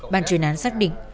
bạn truyền án xác định